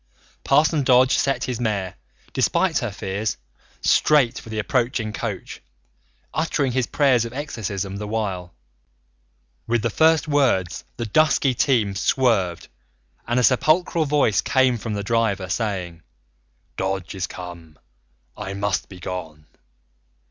Parson Dodge set his mare, despite her fears, straight for the approaching coach, uttering his prayers of exorcism the while. With the first words the dusky team swerved and a sepulchral voice came from the driver, saying: "Dodge is come! I must be gone."